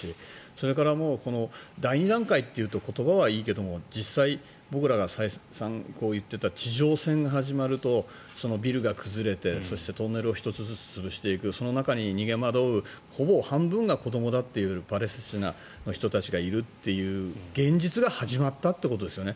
それから第２段階という言葉はいいけど実際、僕らが再三言っていた地上戦が始まるとビルが崩れてそしてトンネルを１つずつ潰していくその中に逃げ惑うほぼ半分が子どもだというパレスチナの人たちがいるという現実が始まったということですよね。